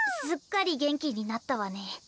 すっかり元気になったわね。